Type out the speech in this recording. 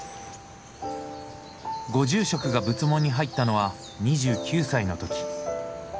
ご住職が仏門に入ったのは２９歳の時。